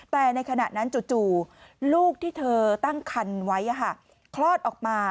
แต่ในขณะนั้นจู่ลูกที่เธอตั้งคันไว้คลอดออกมา